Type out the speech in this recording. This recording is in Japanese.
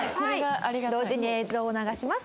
同時に映像を流します。